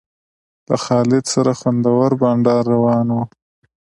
له خالد سره خوندور بنډار روان و.